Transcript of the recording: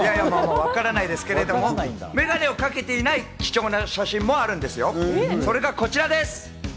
わからないですけれども、メガネをかけていない貴重な写真もあるんですよ、それがこちらです。